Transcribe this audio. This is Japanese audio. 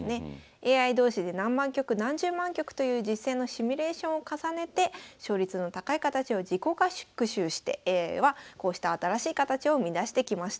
ＡＩ同士で何万局何十万局という実戦のシミュレーションを重ねて勝率の高い形を自己学習してはこうした新しい形を生み出してきました。